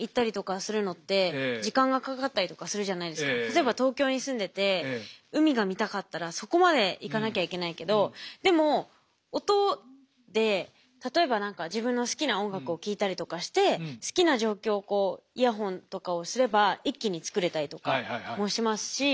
例えば東京に住んでて海が見たかったらそこまで行かなきゃいけないけどでも音で例えば何か自分の好きな音楽を聴いたりとかして好きな状況をイヤホンとかをすれば一気に作れたりとかもしますし。